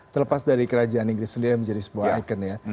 terlepas dari kerajaan inggris itu dia menjadi sebuah icon ya